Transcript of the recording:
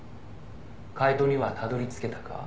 「解答にはたどり着けたか？」